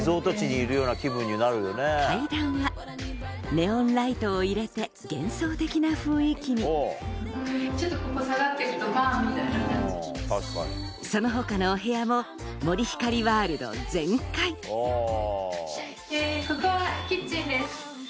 ネオンライトを入れて幻想的な雰囲気にその他のお部屋もここはキッチンです。